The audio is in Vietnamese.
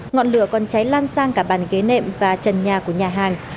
ngọn lửa còn cháy lan sang cả bàn ghế nệm và trần nhà của nhà hàng